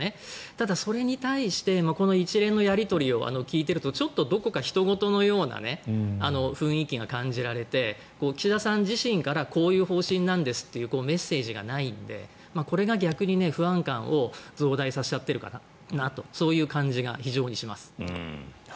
ただ、それに対してこの一連のやり取りを聞いているとちょっとどこか、ひと事のような雰囲気が感じられて岸田さん自身からこういう方針なんですというメッセージがないのでこれが逆に不安感を増大させてるかなというそういう感じが非常にします。